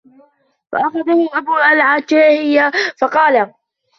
فَأَخَذَهُ أَبُو الْعَتَاهِيَةِ فَقَالَ